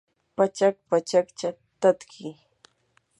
pachak pachakcha tatki